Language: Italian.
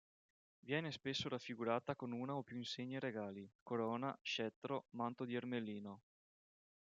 Viene spesso raffigurata con una o più insegne regali: corona, scettro, manto di ermellino.